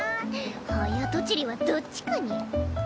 早とちりはどっちかニャ？